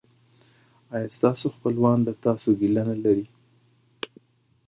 ایا ستاسو خپلوان له تاسو ګیله نلري؟